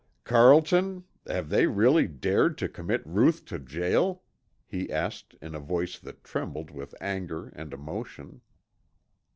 "Carlton, have they really dared to commit Ruth to jail?" he asked in a voice that trembled with anger and emotion.